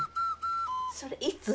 それいつ？